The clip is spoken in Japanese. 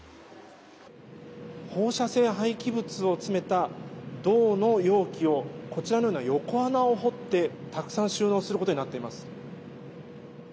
放射性廃棄物を詰めた銅の容器をこちらのような横穴を掘ってたくさん収納することになっています。